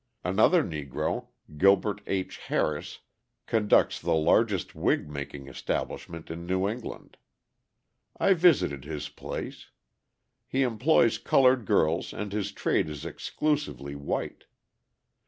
Another Negro, Gilbert H. Harris, conducts the largest wig making establishment in New England. I visited his place. He employs coloured girls and his trade is exclusively white.